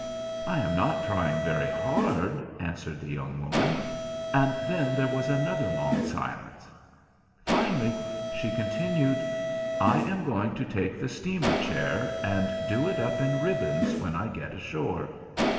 "I am not trying very hard," answered the young woman; and then there was another long silence. Finally she continued— "I am going to take the steamer chair and do it up in ribbons when I get ashore."